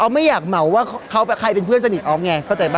ไม่อยากเหมาว่าเขากับใครเป็นเพื่อนสนิทออฟไงเข้าใจป่